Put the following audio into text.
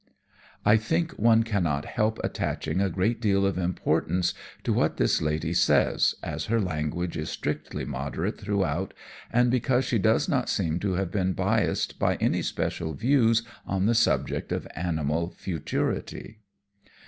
I think one cannot help attaching a great deal of importance to what this lady says, as her language is strictly moderate throughout, and because she does not seem to have been biassed by any special views on the subject of animal futurity.